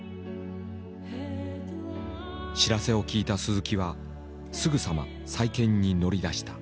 知らせを聞いた鈴木はすぐさま再建に乗り出した。